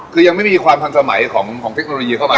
ที่ยังไม่มีความทันสมัยของเทคโนโลยีด้วยซ้ำ